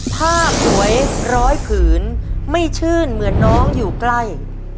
ภาพสวยร้อยผืนไม่ชื่นเหมือนน้องอยู่ใกล้